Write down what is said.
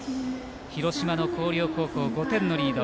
広島の広陵高校、５点のリード。